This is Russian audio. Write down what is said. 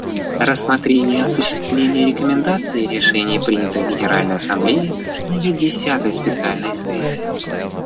Рассмотрение осуществления рекомендаций и решений, принятых Генеральной Ассамблеей на ее десятой специальной сессии.